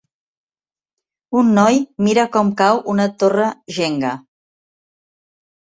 Un noi mira com cau una torre jenga.